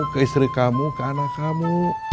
ke istri kamu ke anak kamu